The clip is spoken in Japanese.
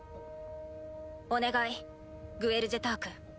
お願いグエル・ジェターク。